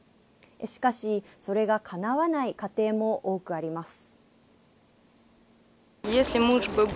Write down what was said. しかし、それがかなわない家庭も多くあります。